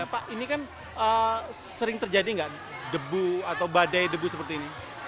pak ini kan sering terjadi nggak debu atau badai debu seperti ini